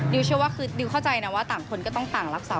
ดิวเข้าใจนะว่าต่างคนก็ต้องต่างรักษา